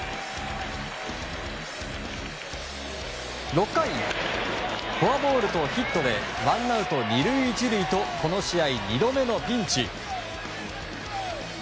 ６回、フォアボールとヒットでワンアウト２塁１塁とこの試合２度目のピンチ。